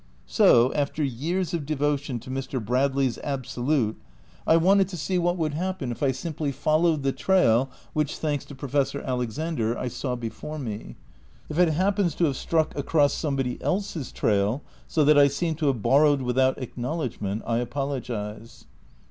'' So, after years of devotion to Mr. Brad ley 's Absolute, I wanted to see what would happen if INTEODUCTION XI I simply followed the trail which, thanks to Professor Alexander, I saw before me. If it happens to have struck across somebody else's trail, so that I seem to have borrowed without acknowledgment, I apologise.